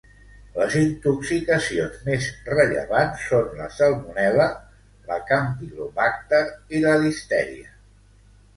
Les intoxicacions més rellevants són la Salmonel·la, la Campylobacter, i la Listèria.